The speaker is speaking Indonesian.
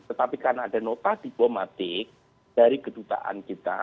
tetapi karena ada nota diplomatik dari kedutaan kita